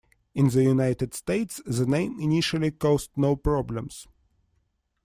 In the United States the name initially caused no problems.